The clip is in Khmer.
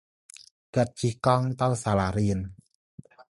គាត់ជិះកង់ទៅសាលារៀន។